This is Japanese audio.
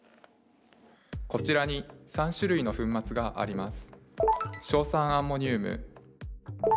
こちらに３種類の粉末があります。